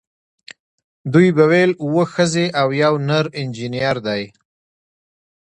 دوی به ویل اوه ښځې او یو نر انجینر دی.